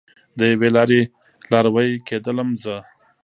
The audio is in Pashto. د یوې لارې لاروی کیدم زه